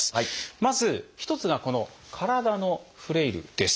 まず１つがこの「体のフレイル」です。